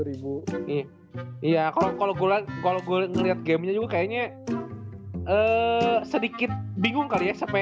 iya kalau gue ngeliat game nya juga kayaknya eee sedikit bingung kali ya